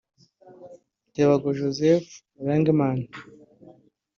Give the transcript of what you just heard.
Tebogo Joseph Langerman